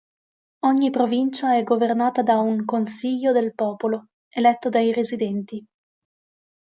Ogni provincia è governata da un "Consiglio del Popolo", eletto dai residenti.